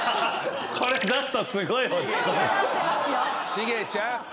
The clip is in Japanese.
シゲちゃん！